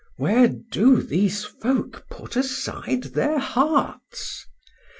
Where do these folk put aside their hearts?...